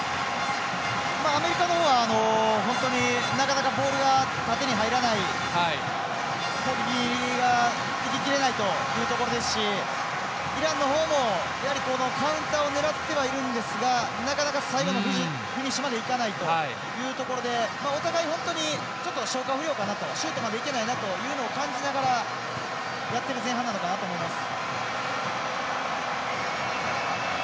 ＣＡＦアメリカの方は本当なかなかボールが縦に入らない攻撃がいききれないというところですしイランのほうも、やはりカウンターを狙ってはいるんですがなかなか最後のフィニッシュまでいかないというところでお互い、本当に消化不良かなとシュートまでいけないなというのを感じながらやっている前半なのかなと思います。